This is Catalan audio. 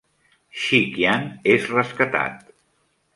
Shi Qian és rescatat.